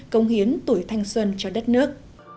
về thanh xuân cho đất nước